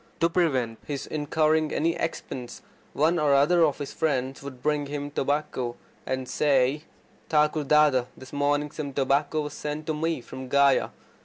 To prevent his incurring any expense, one or other of his friends would bring him tobacco, and say: "Thakur Dada, this morning some tobacco was sent to me from Gaya.